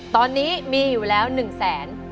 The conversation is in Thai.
ตอนนี้มีอยู่แล้ว๑แสน